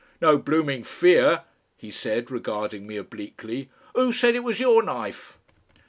"No bloomin' fear!" he said, regarding me obliquely. "Oo said it was your knife?"